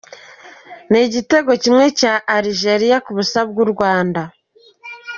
Ni igitego kimwe cya Algeria ku busa bw’u Rwanda.